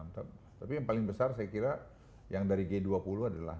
tapi yang paling besar saya kira yang dari g dua puluh adalah